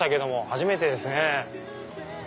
初めてですね。